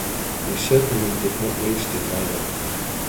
They certainly did not waste it either.